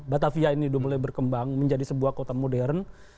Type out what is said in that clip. batavia ini dimulai berkembang menjadi sebuah kota modern